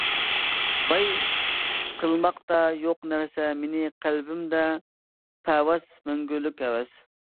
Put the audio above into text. باي قىلماقتا يوق نەرسە مېنى قەلبىمدە پەۋەس مەڭگۈلۈك ھەۋەس.